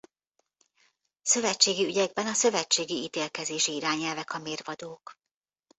Szövetségi ügyekben a Szövetségi Ítélkezési Irányelvek a mérvadók.